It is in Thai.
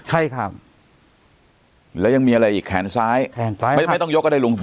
ใช่ครับแล้วยังมีอะไรอีกแขนซ้ายแขนซ้ายไม่ต้องยกก็ได้ลุง